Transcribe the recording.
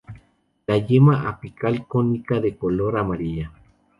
La yema apical cónica de color amarilla.